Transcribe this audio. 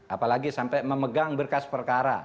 apalagi sampai memegang berkas perkara